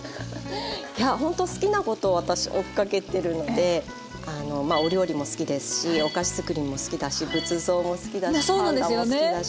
いやほんと好きなことを私追っかけてるのでまあお料理も好きですしお菓子作りも好きだし仏像も好きだしパンダも好きだし。